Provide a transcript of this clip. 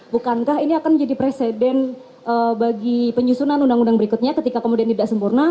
bukankah ini akan menjadi presiden bagi penyusunan undang undang berikutnya ketika kemudian tidak sempurna